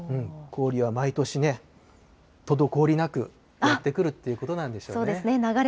氷は毎年ね、とどこおりなくやって来るってことなんでしょうね。